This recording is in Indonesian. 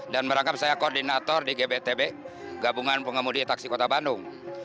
dan merangkap saya koordinator di gbtb gabungan pengemudi taksi kota bandung